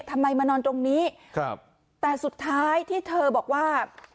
ทำไมมานอนตรงนี้ครับแต่สุดท้ายที่เธอบอกว่า